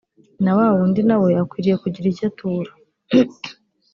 na wa wundi na we akwiriye kugira icyo atura